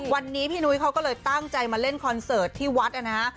วันนี้พี่นุ้ยเขาก็เลยตั้งใจมาเล่นคอนเสิร์ตที่วัดนะฮะ